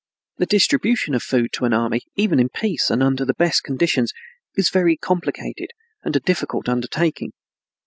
The distribution of food to an army, even in peace and under the best conditions, is a very complicated and difficult undertaking.